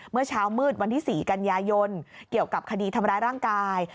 เมื่อเช้ามืดวันที่๔กันยายนเกี่ยวกับคดีทำร้ายร่างกาย